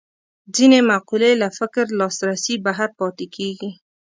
ځینې مقولې له فکر لاسرسي بهر پاتې کېږي